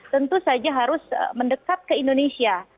tentu saja harus mendekat ke indonesia